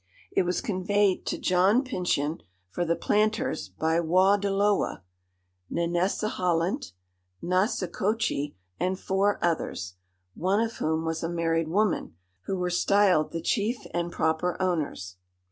It was conveyed to John Pyncheon for the planters by Wawdillowa, Nenessahalant, Nassicochee, and four others (one of whom was a married woman), who were styled the "chief and proper owners."